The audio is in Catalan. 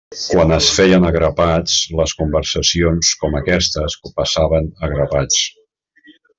Quan es feien a grapats, les conversacions com aquestes passaven a grapats.